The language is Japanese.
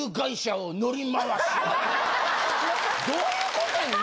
どういうことやねん？